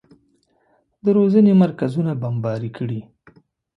د روزنې مرکزونه بمباري کړي.